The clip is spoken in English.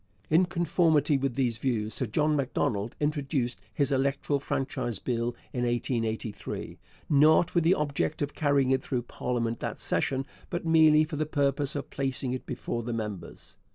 In conformity with these views Sir John Macdonald introduced his Electoral Franchise Bill in 1883, not with the object of carrying it through parliament that session, but merely for the purpose of placing it before the members.